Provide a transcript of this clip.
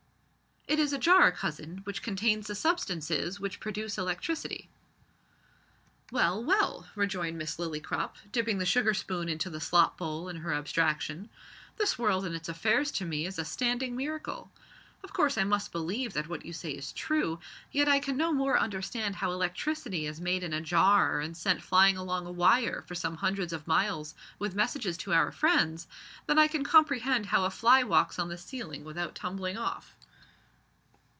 "It is a jar, cousin, which contains the substances which produce electricity." "Well, well," rejoined Miss Lillycrop, dipping the sugar spoon into the slop bowl in her abstraction, "this world and its affairs is to me a standing miracle. Of course I must believe that what you say is true, yet I can no more understand how electricity is made in a jar and sent flying along a wire for some hundreds of miles with messages to our friends than I can comprehend how a fly walks on the ceiling without tumbling off."